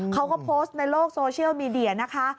เขาก็โพสต์ในโลกโซเชียลมีเดียนะคะ